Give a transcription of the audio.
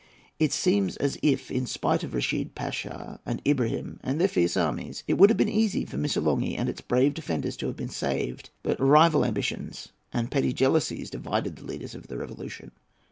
It seems as if, in spite of Reshid Pasha and Ibrahim and their fierce armies, it would have been easy for Missolonghi and its brave defenders to have been saved. But rival ambitions and paltry jealousies divided the leaders of the Revolution.